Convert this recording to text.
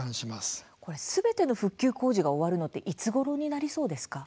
すべての復旧工事が終わるのっていつごろになりそうですか？